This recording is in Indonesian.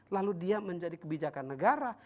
lalu dia menjadi kebijakan negara